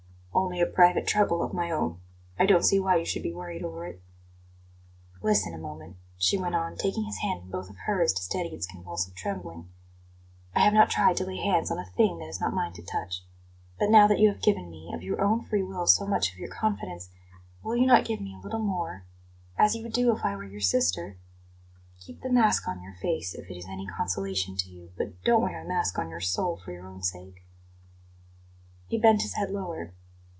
"Only a private trouble of my own. I don't see why you should be worried over it." "Listen a moment," she went on, taking his hand in both of hers to steady its convulsive trembling. "I have not tried to lay hands on a thing that is not mine to touch. But now that you have given me, of your own free will, so much of your confidence, will you not give me a little more as you would do if I were your sister. Keep the mask on your face, if it is any consolation to you, but don't wear a mask on your soul, for your own sake." He bent his head lower.